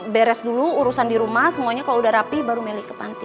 beres dulu urusan dirumah semuanya kalau udah rapi baru meli ke panti